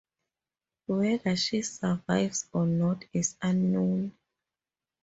Whether she survives or not is unknown.